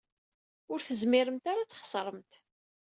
Ur tezmiremt ara ad txeṣremt.